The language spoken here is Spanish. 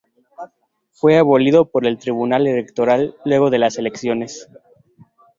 Fue abolido por el Tribunal Electoral luego de las elecciones.